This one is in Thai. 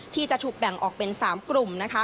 ที่จะถูกแบ่งออกเป็น๓กลุ่มนะคะ